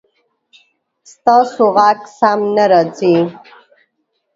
ستاسو غږ سم نه راځي